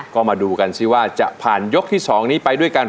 น้ำร้องหายลบคำหนึ่งคำนี่ด้วยน้ำตา